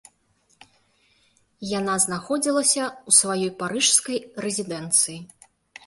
Яна знаходзілася ў сваёй парыжскай рэзідэнцыі.